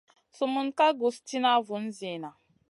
Sumun ka guss tìna vun zina.